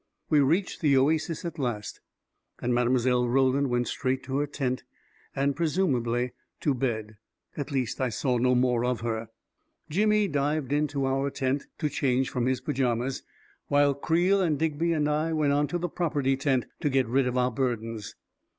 We reached the oasis at last, and Mile. Roland went straight to her tent, and presumably to bed. At least, I saw no more of her. Jimmy dived into 339 340 A KING IN BABYLON our tent, to change from his pajamas; while Creel and Digby and I went on to the property tent to get rid of our burdens.